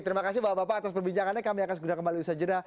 terus perbincangannya kami akan segera kembali bersajar